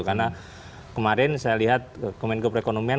karena kemarin saya lihat kementerian keproekonomian